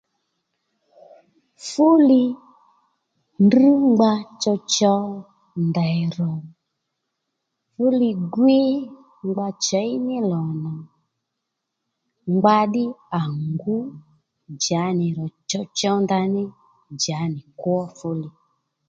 Fúli ndrr ngba chowchow ndèy rò fúli gwíy ngba chěy ní lò nà ngba ddí à ngúw djǎnì dè chowchow ndǎnì djǎnì kwó fúli